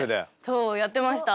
そうやってました。